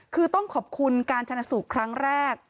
คือต้องขอบคุณการชนะสูตรครั้งแรก